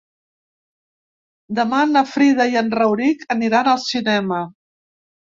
Demà na Frida i en Rauric aniran al cinema.